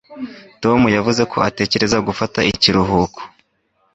Tom yavuze ko atekereza gufata ikiruhuko.